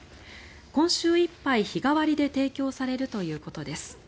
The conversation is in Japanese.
今週いっぱい日替わりで提供されるということです。